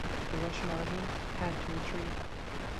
The Russian Army had to retreat.